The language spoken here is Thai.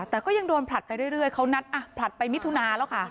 แต่ก็ยังโดนผลัดไปเรื่อยเขานัดอ่ะผลัดไปมิถุนาแล้วค่ะ